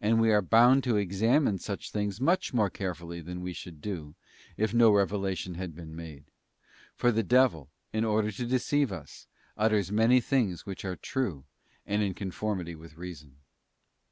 And we are bound to examine such things much more carefully than we should do, if no revelation had been made; for the devil, in order to deceive us, utters many things which are true and in conformity with reason.